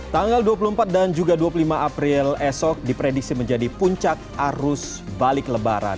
tanggal dua puluh empat dan juga dua puluh lima april esok diprediksi menjadi puncak arus balik lebaran